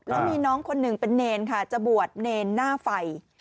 แล้วมีน้องคนหนึ่งเป็นเนรค่ะจะบวชเนรหน้าไฟ